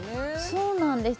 そうなんです。